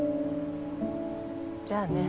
じゃあね。